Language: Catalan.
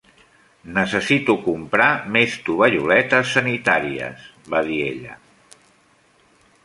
Necessito comprar més tovalloletes sanitàries, va dir ella.